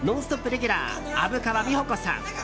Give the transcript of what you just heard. レギュラー虻川美穂子さん。